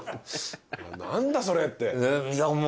何だそれって。